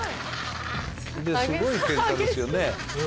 すごいケンカですよね。